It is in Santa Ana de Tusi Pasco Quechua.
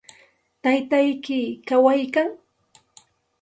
¿Taytayki kawaykan?